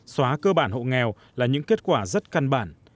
xóa cơ bản hộ nghèo là những kết quả rất căn bản